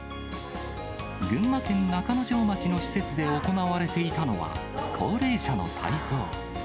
群馬県中之条町の施設で行われていたのは、高齢者の体操。